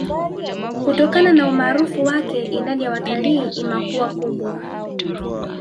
Kutokana na umaarufu wake idadi ya watalii imakuwa kubwa